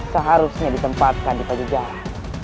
seharusnya ditempatkan di pajejaran